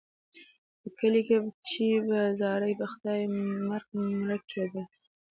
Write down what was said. په کلیو کې به چې زاړه په خدایي مرګ مړه کېدل.